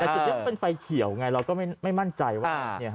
แต่จุดนี้เป็นไฟเขียวไงเราก็ไม่มั่นใจว่า